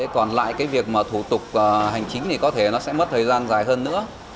còn lại cái việc mà thủ tục hành chính thì có thể nó sẽ mất thời gian dài hơn nữa